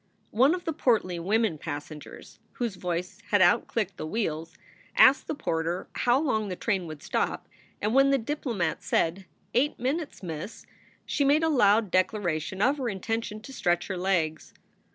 One of the portly women passen gers, whose voice had out clicked the wheels, asked the porter how long the train would stop, and when the diplomat said, "Eight minutes, miss," she made a loud declaration of her intention to stretch her legs.